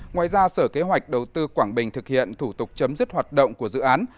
ngoài ra sở kế hoạch đầu tư quảng bình thực hiện thủ tục chấm dứt hoạt động của dự án